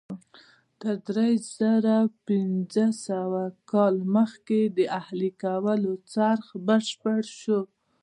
تر درې زره پنځه سوه کاله مخکې د اهلي کولو څرخ بشپړ شو.